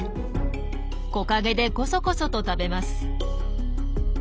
木陰でコソコソと食べます。